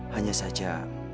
hanya saya yang menyukai kamu